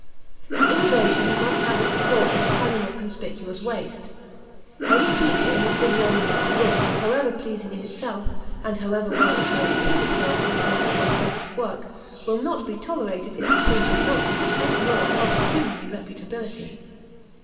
The innovation must have the support of the canon of conspicuous waste. Any feature in the physiognomy of goods, however pleasing in itself, and however well it may approve itself to the taste for effective work, will not be tolerated if it proves obnoxious to this norm of pecuniary reputability.